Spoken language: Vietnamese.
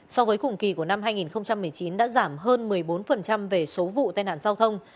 so với cùng kỳ của năm hai nghìn một mươi chín đã giảm hơn một mươi bốn về số vụ tai nạn giao thông